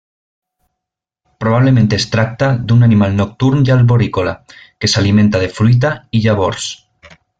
Probablement es tracta d'un animal nocturn i arborícola que s'alimenta de fruita i llavors.